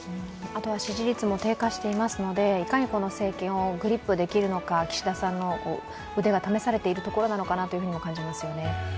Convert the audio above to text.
あとは支持率も低下していますので、いかにこの政権をグリップできるのか、岸田さんの腕が試されているところなのかなとも感じますよね。